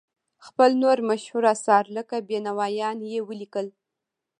خپل نور مشهور اثار لکه بینوایان یې ولیکل.